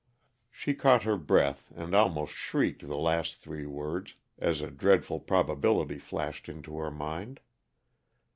_" She caught her breath, and almost shrieked the last three words, as a dreadful probability flashed into her mind.